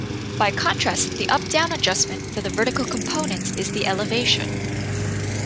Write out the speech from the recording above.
By contrast, the up-down adjustment for the vertical component is the "elevation".